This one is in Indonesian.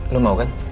lo mau kan